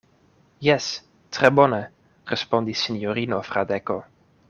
Jes, tre bone, respondis sinjorino Fradeko.